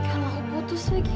kalau aku putus lagi